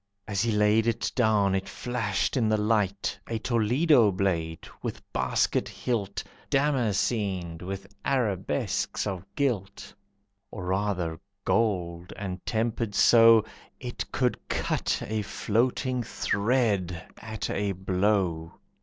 As he laid it down it flashed in the light, A Toledo blade, with basket hilt, Damascened with arabesques of gilt, Or rather gold, and tempered so It could cut a floating thread at a blow.